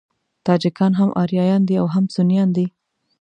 تاجکان هم آریایان دي او هم سنيان دي.